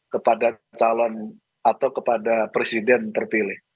kepada calon atau kepada presiden terpilih